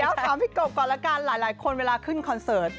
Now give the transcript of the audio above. เดี๋ยวถามพี่กบก่อนละกันหลายคนเวลาขึ้นคอนเสิร์ต